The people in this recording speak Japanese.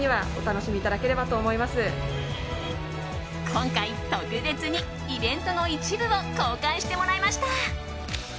今回、特別にイベントの一部を公開してもらいました。